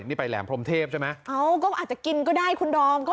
นี่ไปแหลมพรมเทพใช่ไหมเอ้าก็อาจจะกินก็ได้คุณดอมก็